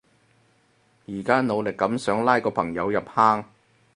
而家努力噉想拉個朋友入坑